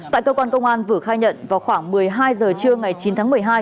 tại cơ quan công an vự khai nhận vào khoảng một mươi hai h trưa ngày chín tháng một mươi hai